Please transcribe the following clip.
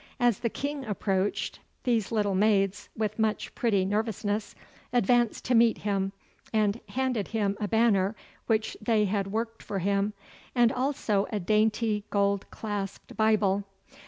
As the King approached, these little maids, with much pretty nervousness, advanced to meet him, and handed him a banner which they had worked for him, and also a dainty gold clasped Bible.